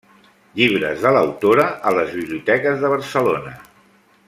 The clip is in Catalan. Llibres de l'autora a les Biblioteques de Barcelona.